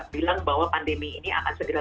bilang bahwa pandemi ini akan segera